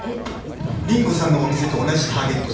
凛子さんのお店と同じターゲット層